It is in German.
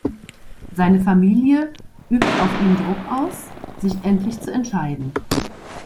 Seine Familie übt auf ihn Druck aus, sich endlich zu entscheiden.